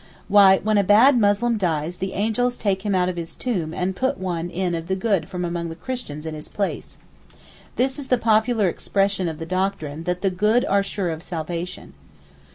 'Why, when a bad Muslim dies the angels take him out of his tomb and put in one of the good from among the Christians in his place.' This is the popular expression of the doctrine that the good are sure of salvation.